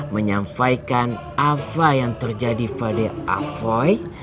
menyampaikan apa yang terjadi pada afoy